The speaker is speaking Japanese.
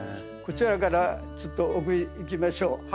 こちらからちょっと奥に行きましょう。